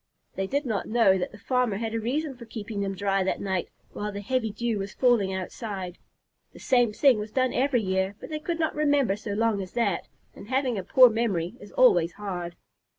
They did not know that the farmer had a reason for keeping them dry that night while the heavy dew was falling outside. The same thing was done every year, but they could not remember so long as that, and having a poor memory is always hard.